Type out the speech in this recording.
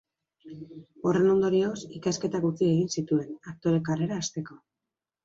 Horren ondorioz, ikasketak utzi egin zituen, aktore karrera hasteko.